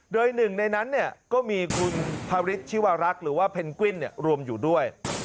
โดยหนึ่งในนั้นก็มีคุณพระฤทธิวรักษ์หรือว่าเพนกวิ้นรวมอยู่ด้วย